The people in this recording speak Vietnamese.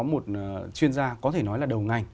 một chuyên gia có thể nói là đầu ngành